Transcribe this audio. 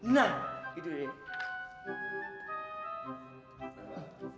nah gitu deh